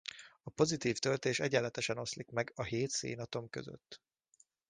A pozitív töltés egyenletesen oszlik meg a hét szénatom között.